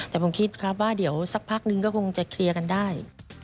แต่ผมคิดครับว่าเดี๋ยวสักพักนึงก็คงจะเคลียร์กันได้